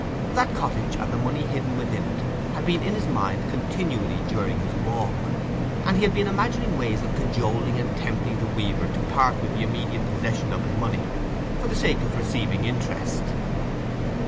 That cottage and the money hidden within it had been in his mind continually during his walk, and he had been imagining ways of cajoling and tempting the weaver to part with the immediate possession of his money for the sake of receiving interest.